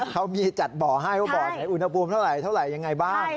เขามีจัดบ่อให้เพราะบ่อในอุณหภูมิเท่าไหร่ยังไงบ้าง